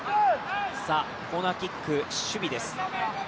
コーナーキック、守備です。